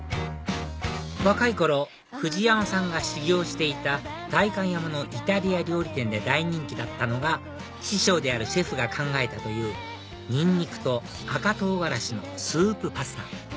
若い頃藤山さんが修業していた代官山のイタリア料理店で大人気だったのが師匠であるシェフが考えたというニンニクと赤唐辛子のスープパスタ